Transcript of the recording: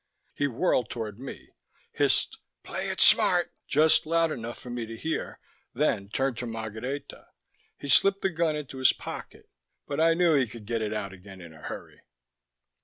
He whirled toward me, hissed "Play it smart" just loud enough for me to hear, then turned to Margareta. He slipped the gun into his pocket, but I knew he could get it out again in a hurry.